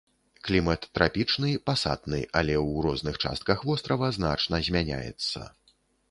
Клімат трапічны пасатны, але ў розных частках вострава значна змяняецца.